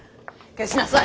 消しなさい。